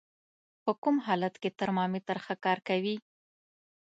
په کوم حالت کې ترمامتر ښه کار کوي؟